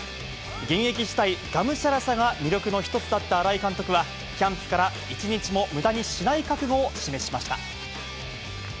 現役時代、がむしゃらさが魅力の一つだった新井監督は、キャンプから一日もむだにしない覚悟を示しました。